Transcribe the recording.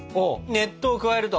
熱湯を加えると！